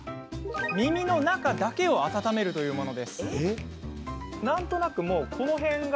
耳の中だけを温めるというもの。